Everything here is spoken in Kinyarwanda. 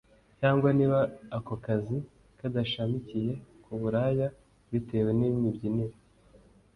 cyangwa n’iba ako kazi kadashamikiye ku buraya bitewe n’imibyinire